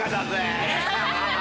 ハハハハ！